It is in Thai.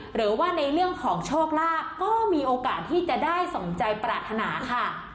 หรือว่าในเรื่องของโชคลาภก็มีโอกาสที่จะได้สมใจปรารถนาค่ะ